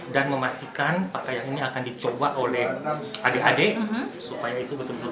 memastikan pakaian ini akan dicoba oleh adik adik supaya itu betul betul